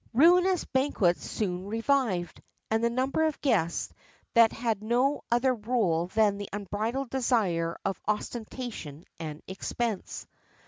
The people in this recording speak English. Ruinous banquets soon revived, and the number of guests had no other rule than the unbridled desire of ostentation and expense.